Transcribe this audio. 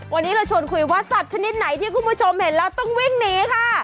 วันนี้เราชวนคุยว่าสัตว์ชนิดไหนที่คุณผู้ชมเห็นแล้วต้องวิ่งหนีค่ะ